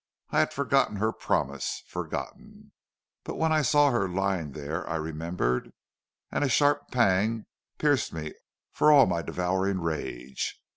I had forgotten her promise, forgotten. But when I saw her lying there I remembered, and a sharp pang pierced me for all my devouring rage.